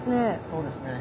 そうですね。